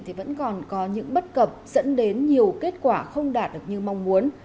thì vẫn còn có những bất cập dẫn đến nhiều kết quả không đạt được như mong muốn